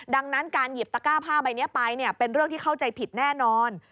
ดังนั้นการหยิบตะก้าผ้าใบนี้ไปเป็นเรื่องที่เข้าใจผิดแน่นอน